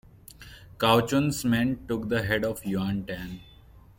Cao Chun's men took the head of Yuan Tan.